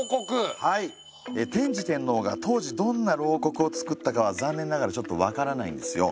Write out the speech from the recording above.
天智天皇が当時どんな漏刻をつくったかは残念ながらちょっと分からないんですよ。